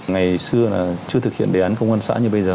ngày xưa là chưa thực hiện đề án công an xã như bây giờ